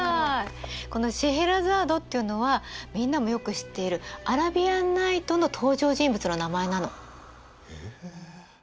この「シェエラザード」っていうのはみんなもよく知っている「アラビアンナイト」の登場人物の名前なの。